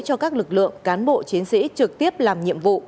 cho các lực lượng cán bộ chiến sĩ trực tiếp làm nhiệm vụ